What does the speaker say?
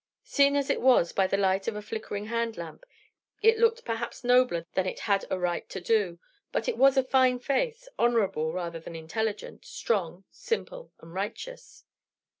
Seen as it was by the light of a flickering hand lamp, it looked perhaps nobler than it had a right to do; but it was a fine face, honorable rather than intelligent, strong, simple, and righteous.